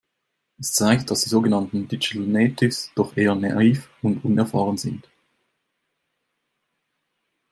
Es zeigt, dass die sogenannten Digital Natives doch eher naiv und unerfahren sind.